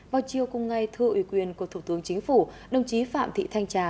vào chiều cùng ngày thư ủy quyền của thủ tướng chính phủ đồng chí phạm thị thanh trà